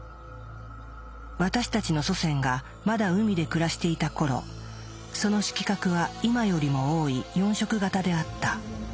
私たちの祖先がまだ海で暮らしていた頃その色覚は今よりも多い４色型であった。